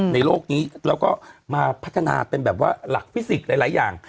โลกนี้แล้วก็มาพัฒนาเป็นแบบว่าหลักฟิสิกส์หลายอย่าง